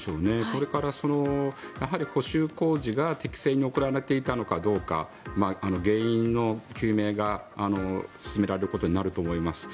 これから補修工事が適正に行われていたのかどうか原因の究明が進められることになると思います。